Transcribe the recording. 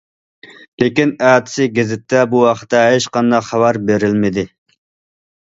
لېكىن ئەتىسى گېزىتتە بۇ ھەقتە ھېچقانداق خەۋەر بېرىلمىدى.